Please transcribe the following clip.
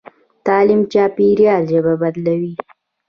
تعلیم چاپېریال ژبه بدلوي.